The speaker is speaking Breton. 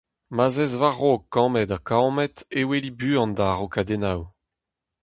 Ma'z ez war-raok kammed-ha-kammed e weli buan da araokadennoù.